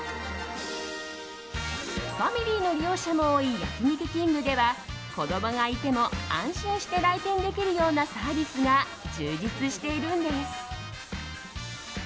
ファミリーの利用者も多い焼肉きんぐでは子供がいても安心して来店できるようなサービスが充実しているんです。